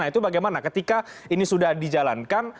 nah itu bagaimana ketika ini sudah dijalankan